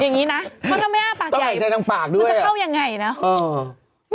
อย่างนี้นะมันก็ไม่อ้าปากใหญ่มันจะเข้ายังไงนะอื้อต้องหายใจทั้งปากด้วย